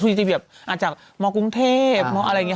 ทุกอย่างที่เบียบอาจจากมกรุงเทพอะไรแบบนี้